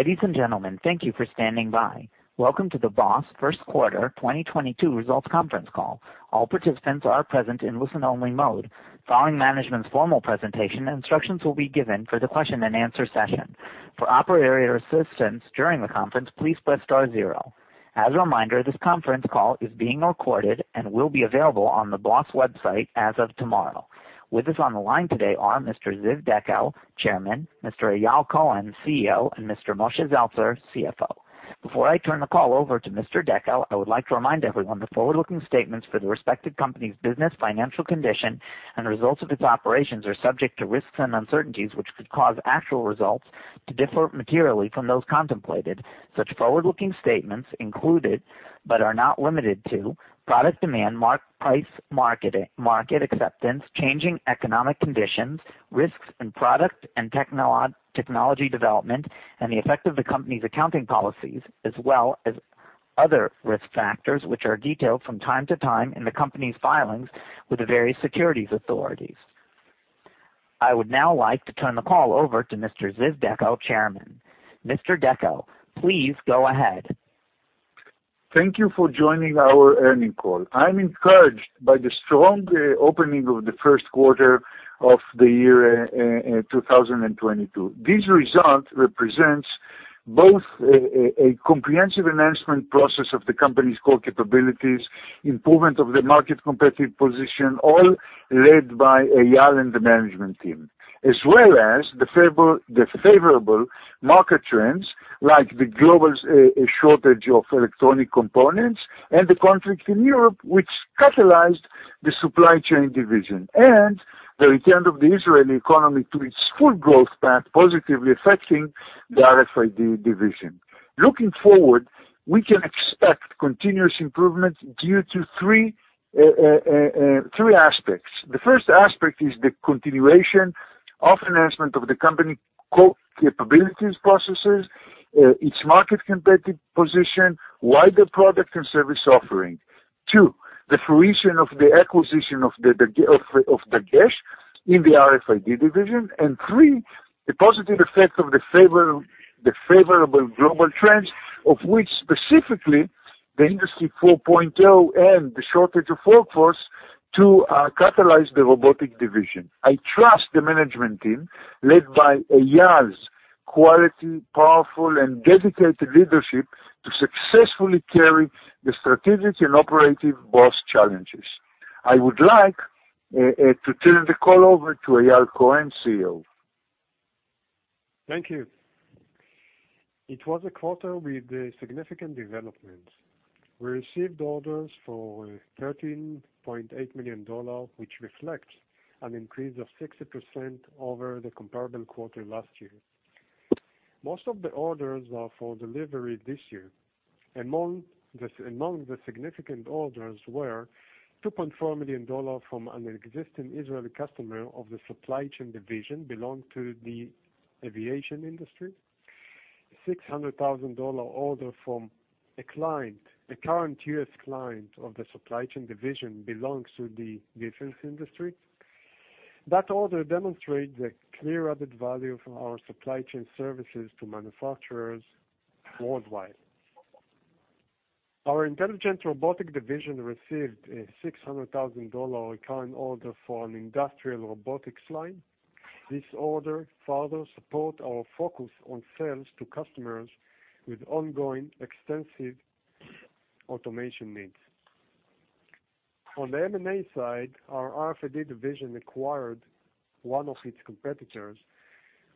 Ladies and gentlemen, thank you for standing by. Welcome to the BOS first quarter 2022 results conference call. All participants are present in listen-only mode. Following management's formal presentation, instructions will be given for the question-and-answer session. For operator assistance during the conference, please press star zero. As a reminder, this conference call is being recorded and will be available on the BOS website as of tomorrow. With us on the line today are Mr. Ziv Dekel, Chairman, Mr. Eyal Cohen, CEO, and Mr. Moshe Zeltzer, CFO. Before I turn the call over to Mr. Dekel, I would like to remind everyone that forward-looking statements for the respective company's business, financial condition, and results of its operations are subject to risks and uncertainties, which could cause actual results to differ materially from those contemplated. Such forward-looking statements included, but are not limited to, product demand, market acceptance, changing economic conditions, risks in product and technology development, and the effect of the company's accounting policies, as well as other risk factors, which are detailed from time to time in the company's filings with the various securities authorities. I would now like to turn the call over to Mr. Ziv Dekel, Chairman. Mr. Dekel, please go ahead. Thank you for joining our earnings call. I'm encouraged by the strong opening of the first quarter of 2022. This result represents both a comprehensive enhancement process of the company's core capabilities, improvement of the market competitive position, all led by Eyal and the management team. As well as the favorable market trends like the global shortage of electronic components and the conflict in Europe, which catalyzed the Supply Chain Division, and the return of the Israeli economy to its full growth path, positively affecting the RFID Division. Looking forward, we can expect continuous improvements due to three aspects. The first aspect is the continuation of enhancement of the company core capabilities, processes, its market competitive position, wider product and service offering. Two, the fruition of the acquisition of Dagesh in the RFID division. Three, the positive effect of the favorable global trends, of which specifically the Industry 4.0 and the shortage of workforce to catalyze the robotic division. I trust the management team led by Eyal's quality, powerful, and dedicated leadership to successfully carry the strategic and operative BOS challenges. I would like to turn the call over to Eyal Cohen, CEO. Thank you. It was a quarter with significant developments. We received orders for $13.8 million, which reflects an increase of 60% over the comparable quarter last year. Most of the orders are for delivery this year. Among the significant orders were $2.4 million from an existing Israeli customer of the Supply Chain Division, belonging to the aviation industry. $600,000 order from a client, a current U.S. client of the Supply Chain Division, belongs to the defense industry. That order demonstrates a clear added value for our supply chain services to manufacturers worldwide. Our Intelligent Robotics Division received a $600,000 recurring order for an industrial robotics line. This order further support our focus on sales to customers with ongoing extensive automation needs. On the M&A side, our RFID Division acquired one of its competitors,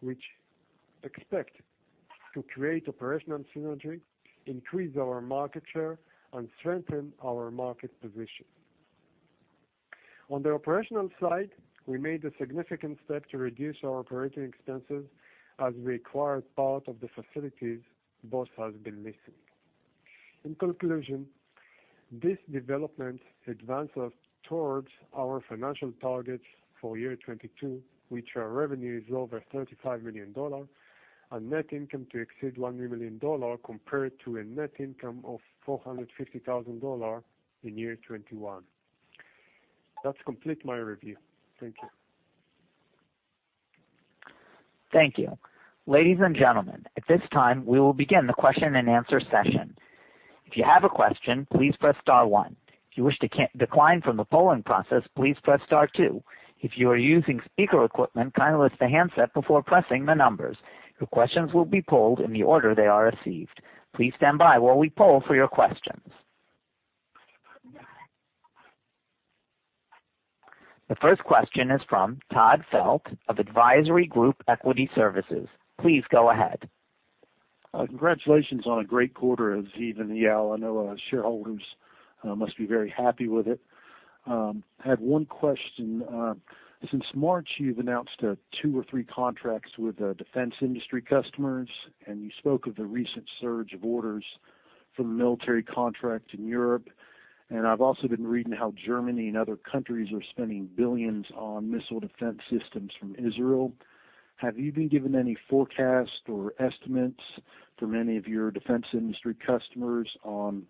which we expect to create operational synergy, increase our market share, and strengthen our market position. On the operational side, we made a significant step to reduce our operating expenses as we acquired part of the facilities BOS has been leasing. In conclusion, this development advances us towards our financial targets for 2022, where our revenue is over $35 million, and net income to exceed $1 million compared to a net income of $450,000 in 2021. That completes my review. Thank you. Thank you. Ladies and gentlemen, at this time, we will begin the question-and-answer session. If you have a question, please press star one. If you wish to decline from the polling process, please press star two. If you are using speaker equipment, kindly lift the handset before pressing the numbers. Your questions will be polled in the order they are received. Please stand by while we poll for your questions. The first question is from Todd Felte of Advisory Group Equity Services. Please go ahead. Congratulations on a great quarter, Ziv and Eyal. I know our shareholders must be very happy with it. I had one question. Since March, you've announced two or three contracts with defense industry customers, and you spoke of the recent surge of orders from military contracts in Europe. I've also been reading how Germany and other countries are spending $ billions on missile defense systems from Israel. Have you been given any forecast or estimates from any of your defense industry customers on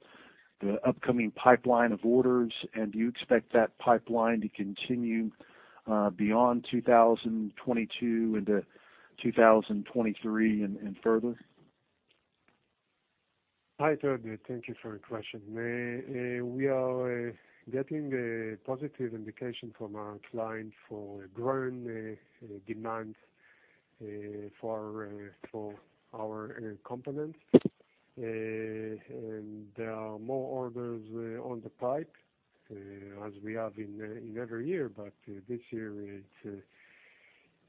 the upcoming pipeline of orders, and do you expect that pipeline to continue beyond 2022 into 2023 and further? Hi, Ted. Thank you for your question. We are getting a positive indication from our client for growing demand for our components. There are more orders in the pipeline as we have in every year. This year it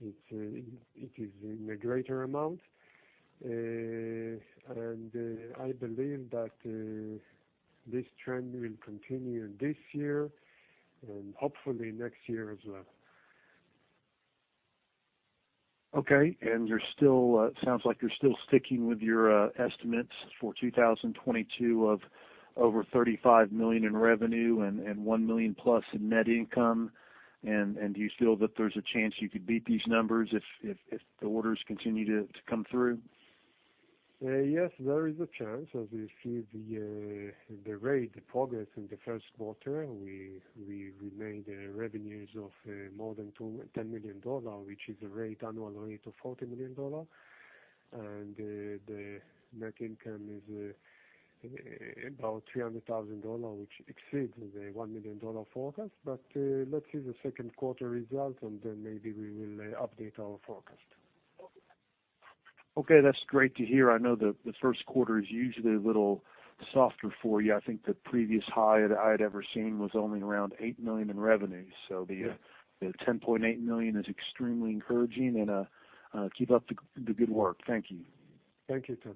is in a greater amount. I believe that this trend will continue this year and hopefully next year as well. Okay. It sounds like you're still sticking with your estimates for 2022 of over $35 million in revenue and $1 million plus in net income. Do you feel that there's a chance you could beat these numbers if the orders continue to come through? Yes, there is a chance. As you see the revenue progress in the first quarter, we made revenues of more than $10 million, which is an annual rate of $40 million. The net income is about $300,000, which exceeds the $1 million forecast. Let's see the second quarter results, and then maybe we will update our forecast. Okay, that's great to hear. I know the first quarter is usually a little softer for you. I think the previous high that I'd ever seen was only around $8 million in revenue. Yeah. The $10.8 million is extremely encouraging. Keep up the good work. Thank you. Thank you, Ted.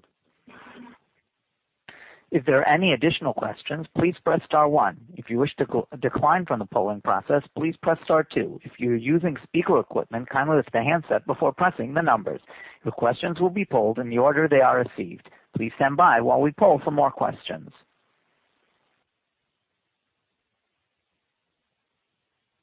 If there are any additional questions, please press star one. If you wish to decline from the polling process, please press star two. If you're using speaker equipment, kindly lift the handset before pressing the numbers. Your questions will be polled in the order they are received. Please stand by while we poll for more questions.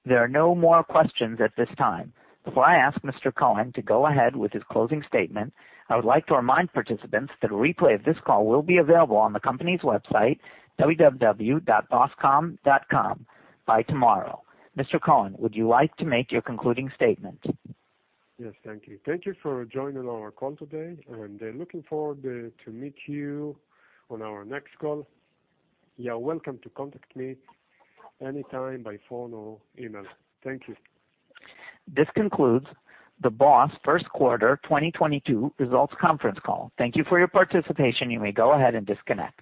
There are no more questions at this time. Before I ask Mr. Cohen to go ahead with his closing statement, I would like to remind participants that a replay of this call will be available on the company's website, www.boscom.com, by tomorrow. Mr. Cohen, would you like to make your concluding statement? Yes, thank you. Thank you for joining our call today. Looking forward to meet you on our next call. You are welcome to contact me anytime by phone or email. Thank you. This concludes the BOS's first quarter 2022 results conference call. Thank you for your participation. You may go ahead and disconnect.